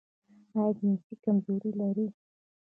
ایا جنسي کمزوري لرئ؟